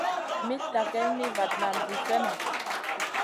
Mitta geyn mi vatna vi slèhna.